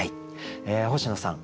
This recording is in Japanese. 星野さん